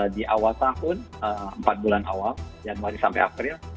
di awal tahun empat bulan awal januari sampai april